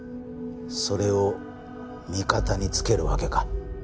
それを味方につけるわけか。